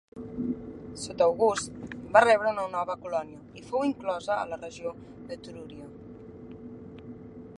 Sota August va rebre una nova colònia i fou inclosa a la regió d'Etrúria.